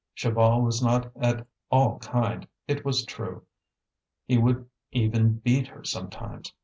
Chaval was not at all kind, it was true; he would even beat her sometimes.